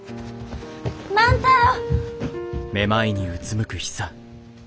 万太郎！